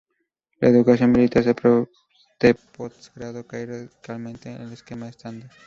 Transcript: La educación militar de postgrado cae radicalmente del esquema estándar.